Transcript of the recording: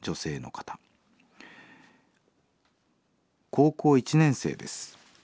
「高校１年生です。